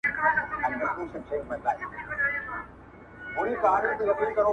اوس چي راسي خو په څنګ را نه تېرېږي.